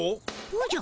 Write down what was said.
おじゃ？